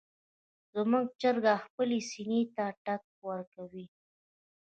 زموږ چرګه خپلې سینې ته ټک ورکوي.